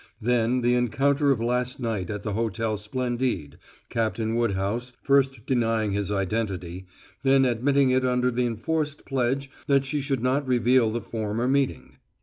Then, the encounter of last night at the Hotel Splendide, Captain Woodhouse first denying his identity, then admitting it under the enforced pledge that she should not reveal the former meeting.